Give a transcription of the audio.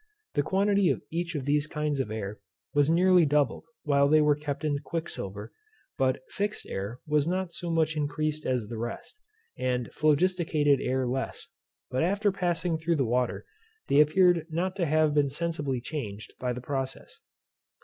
The quantity of each of these kinds of air was nearly doubled while they were kept in quicksilver, but fixed air was not so much increased as the rest, and phlogisticated air less; but after passing through the water, they appeared not to have been sensibly changed by the process.